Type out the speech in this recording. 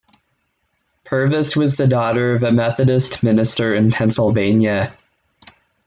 Purvis was the daughter of a Methodist minister in Pennsylvania.